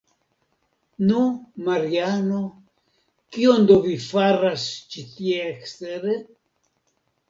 Nu, Mariano, kion do vi faras ĉi tie ekstere?